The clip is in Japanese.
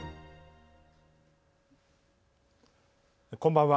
こんばんは。